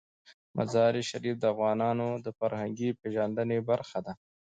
مزارشریف د افغانانو د فرهنګي پیژندنې برخه ده.